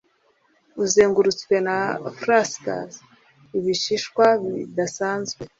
Uzengurutswe na flasks ibishishwa bidasanzwe